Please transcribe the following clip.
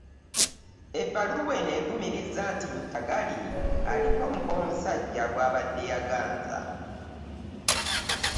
Ebbaluwa eno erumiriza nti Ntagali aliko mukoomusajja gw'abadde yaganza